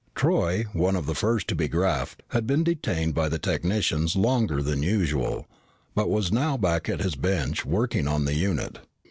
Troy, one of the first to be graphed, had been detained by the technicians longer than usual, but was now back at his bench, working on the unit.